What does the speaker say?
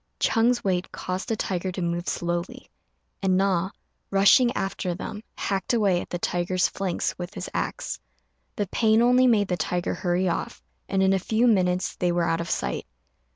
Ch'êng's weight caused the tiger to move slowly; and Na, rushing after them, hacked away at the tiger's flanks with his axe. The pain only made the tiger hurry off, and in a few minutes they were out of sight.